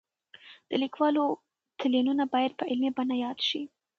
د لیکوالو تلینونه باید په علمي بڼه یاد شي.